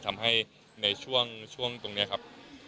ทำให้ในช่วงตรงนี้ครับ